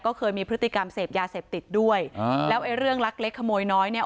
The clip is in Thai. ก็เคยมีพฤติกรรมเสพยาเสพติดด้วยอ่าแล้วไอ้เรื่องลักเล็กขโมยน้อยเนี่ย